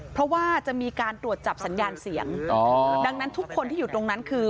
เพราะว่าจะมีการตรวจจับสัญญาณเสียงดังนั้นทุกคนที่อยู่ตรงนั้นคือ